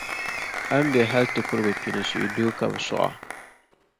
a ni be hal ti kurigi n-kpi ni suhudoo, ka bɛ sɔɣ’ a.